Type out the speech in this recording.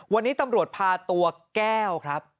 วันนี้ตำรวจพาตัวแก้วครับ